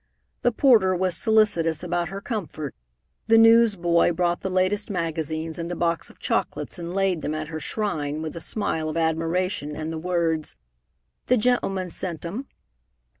The porter was solicitous about her comfort, the newsboy brought the latest magazines and a box of chocolates and laid them at her shrine with a smile of admiration and the words, "Th' g'n'lmun sent 'em!"